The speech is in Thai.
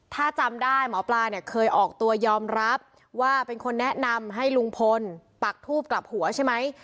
ถ้าจำได้หมอปลาเนี่ยเคยออกตัวยอมรับว่าเป็นคนแนะนำให้ลุงพลปักทูบกลับหัวใช่ไหม